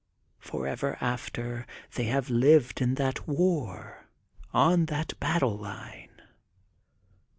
Forever after, they have lived in that war on that battle line.